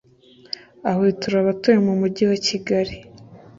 Ahwitura abatuye mu Mujyi wa Kigali